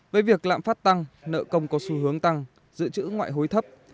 với việc lạm phát tăng nợ công có xu hướng tăng dự trữ ngoại hối thấp